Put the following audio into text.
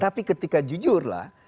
tapi ketika jujur lah